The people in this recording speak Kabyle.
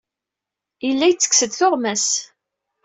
Yella yettekkes-d tuɣmas.